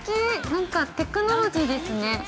なんかテクノロジーですね。